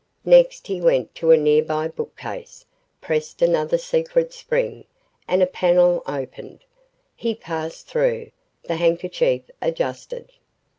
Next he went to a nearby bookcase, pressed another secret spring, and a panel opened. He passed through, the handkerchief adjusted.